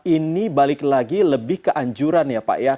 ini balik lagi lebih ke anjuran ya pak ya